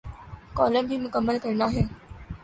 Column بھی مکمل کرنا ہے۔